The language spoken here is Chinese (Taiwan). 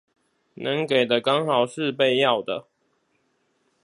能給的剛好是被要的